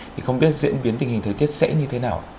thì không biết diễn biến tình hình thời tiết sẽ như thế nào